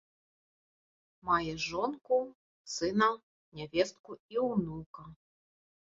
Мае жонку, сына, нявестку і ўнука.